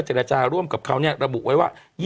เจรจาร่วมกับเขาระบุไว้ว่า